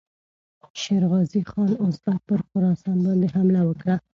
شېرغازي خان اوزبک پر خراسان باندې حمله وکړه.